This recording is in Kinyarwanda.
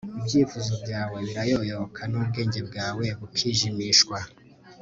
ibyifuzo byawe birayoyoka, n'ubwenge bwawe bukijimishwa